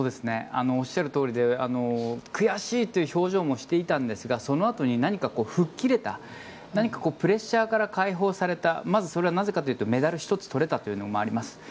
おっしゃるとおりで悔しいという表情もしていたんですがそのあとに吹っ切れたプレッシャーから解放されたまずそれはなぜかというとメダルを１つ取れたというのもあります。